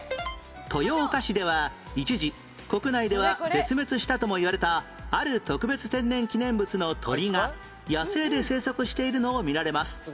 豊岡市では一時国内では絶滅したともいわれたある特別天然記念物の鳥が野生で生息しているのを見られます